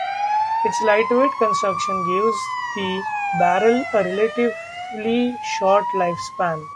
Its lightweight construction gives the barrel a relatively short lifespan.